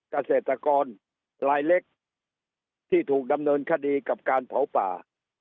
เกษตรกรลายเล็กที่ถูกดำเนินคดีกับการเผาป่า